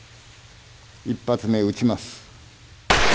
１発目撃ちます。